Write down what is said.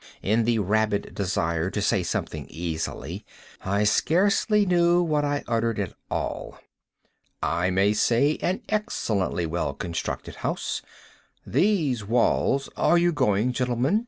(In the rabid desire to say something easily, I scarcely knew what I uttered at all.)—"I may say an excellently well constructed house. These walls—are you going, gentlemen?